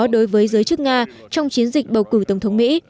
đối với giới chức nga trong chiến dịch bầu cử tổng thống mỹ